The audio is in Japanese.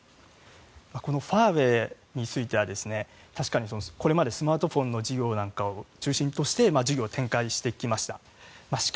このファーウェイについては確かにこれまでスマートフォンの事業なんかを中心として事業を展開してきました。